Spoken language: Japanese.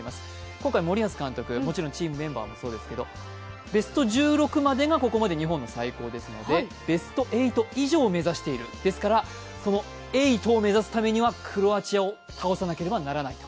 今回、森保監督、もちろんチームメンバーもそうですけどベスト１６がここまで日本の最高ですからベスト８以上を目指している、ですから８を目指すためにはクロアチアを倒さなければならない。